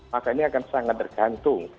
maka ini akan sangat tergantung